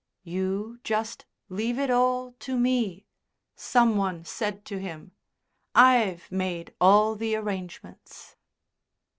"You just leave it all to me," some one said to him. "I've made all the arrangements."